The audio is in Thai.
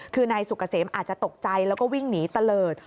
คือนายสุกเกษมอาจจะตกใจแล้วก็วิ่งหนีตะเลิศ